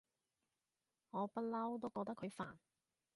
我不嬲都覺得佢煩